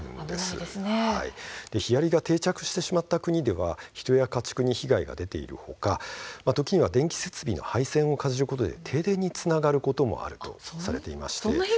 ヒアリが定着してしまった国では人や家畜に被害が出ている他時には電気設備の配線をかじることで停電につながることもあります。